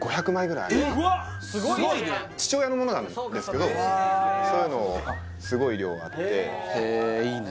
すごい父親のものなんですけどそういうのをすごい量があってへえいいね